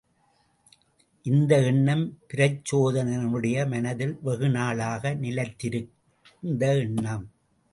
இந்த எண்ணம் பிரச்சோதனனுடைய மனத்தில் வெகுநாளாக நிலைத்திருந்த எண்ணம்.